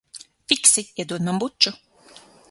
Fiksi iedod man buču.